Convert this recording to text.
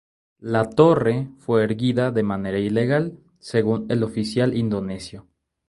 La torre fue erguida de manera ilegal según el oficial indonesio.